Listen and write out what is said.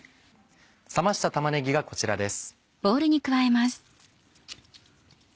冷ました玉ねぎがこちらです。